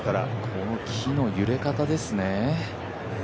この木の揺れ方ですね。